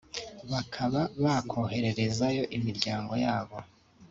bakaba bakohererezaho imiryango yabo